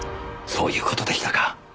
そういう事でしたか。